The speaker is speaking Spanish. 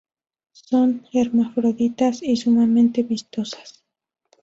Son hermafroditas y sumamente vistosas.